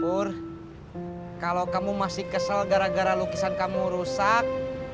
bur kalau kamu masih kesel gara gara lukisan kamu rusak